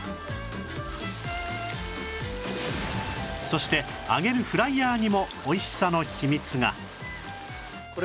そして揚げるフライヤーにも美味しさの秘密が！